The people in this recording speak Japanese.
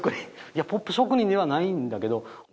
いやポップ職人ではないんだけど。